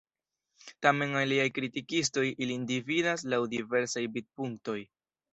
Tamen aliaj kritikistoj ilin dividas laŭ diversaj vidpunktoj.